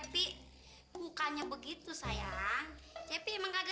mukanya begitu sayang